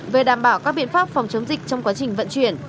về đảm bảo các biện pháp phòng chống dịch trong quá trình vận chuyển